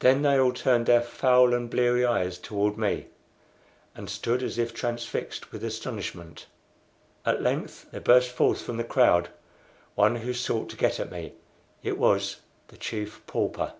Then they all turned their foul and bleary eyes toward me, and stood as if transfixed with astonishment. At length there burst forth from the crowd one who sought to get at me. It was the Chief Pauper.